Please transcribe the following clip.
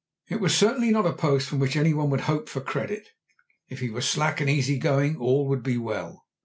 It was certainly not a post from which any one would hope for credit. If he were slack and easy going all would be well.